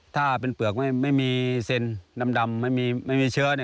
ถ้าเป็นเปลือกไม่มีเซ็นดำไม่มีเชื้อ